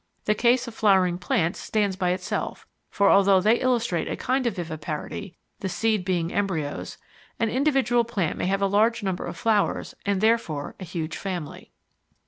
The case of flowering plants stands by itself, for although they illustrate a kind of viviparity, the seed being embryos, an individual plant may have a large number of flowers and therefore a huge family.